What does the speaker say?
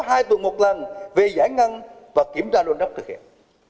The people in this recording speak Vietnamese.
báo cáo hai tuần một lần về giải ngân và kiểm tra đôn đốc thực hiện